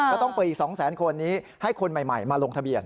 ต้องเปิดอีก๒แสนคนนี้ให้คนใหม่มาลงทะเบียน